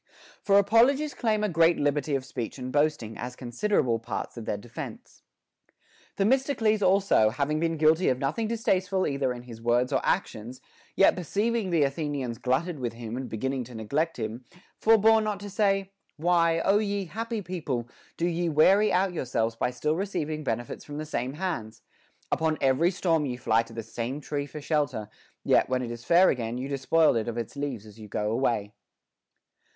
% For apologies claim a great liberty of speech and boasting, as considerable parts of their defence. Themistocles also, having been guilty of nothing dis » Soph. Trachin. 442. f II. XVI. 847. X ILL 128; IX. 328 ; XVI. 70. Π 12 HOW A MAN MAY PRAISE HIMSELF •tasteful either in his words or actions, yet perceiving the Athenians glutted with him and beginning to neglect him, forbore not to say : Why, Ο ye happy people, do ye weary out yourselves by still receiving benefits from the same hands ? Upon every storm you fly to the same tree for shelter ; yet, when it is fair again, you despoil it of its leaves as you go away.